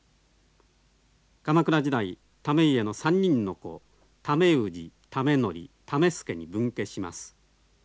鎌倉時代為家の３人の子為氏為教為相に分家します。